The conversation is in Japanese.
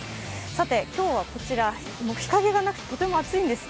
さて、今日はこちら、日陰がなくてとても暑いんです。